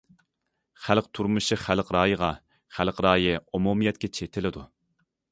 خەلق تۇرمۇشى خەلق رايىغا، خەلق رايى ئومۇمىيەتكە چېتىلىدۇ.